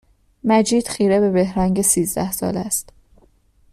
مجید خیره به بهرنگ سیزده ساله است